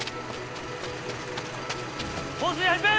放水始め！